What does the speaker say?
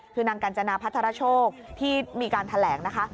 คือนางกัญจนาพัทรโชคที่มีการแถลงนะคะ